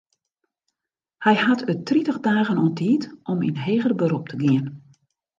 Hy hat it tritich dagen oan tiid om yn heger berop te gean.